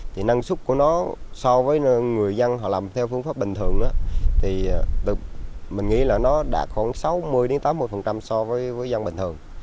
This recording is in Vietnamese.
thì năng suất của nó so với người dân họ làm theo phương pháp bình thường thì mình nghĩ là nó đạt khoảng sáu mươi tám mươi so với dân bình thường